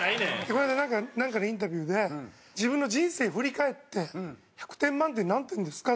この間なんかのインタビューで自分の人生振り返って１００点満点で何点ですか？